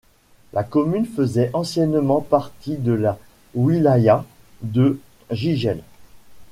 La commune faisait anciennement partie de la wilaya de Jijel.